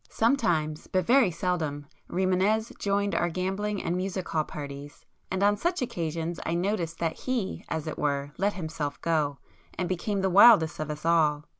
Sometimes, but very seldom, Rimânez joined our gambling and music hall parties, and on such occasions I noticed that he, as it were, 'let himself go' and became the wildest of us all.